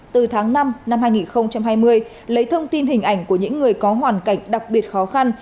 từ tháng năm năm hai nghìn hai mươi lấy thông tin hình ảnh của những người có hoàn cảnh đặc biệt khó khăn